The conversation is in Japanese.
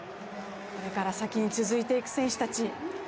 これから先に続いていく選手たち。